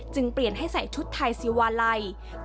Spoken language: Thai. เปลี่ยนให้ใส่ชุดไทยซีวาลัย